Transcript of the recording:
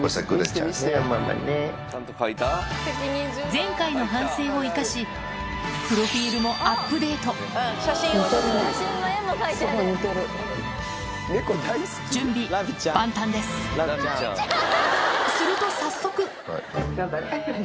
前回の反省を生かしプロフィルもアップデート準備万端ですあっ。